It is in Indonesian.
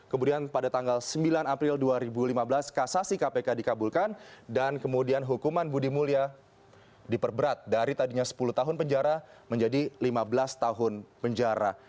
kemudian pada tanggal sembilan april dua ribu lima belas kasasi kpk dikabulkan dan kemudian hukuman budi mulya diperberat dari tadinya sepuluh tahun penjara menjadi lima belas tahun penjara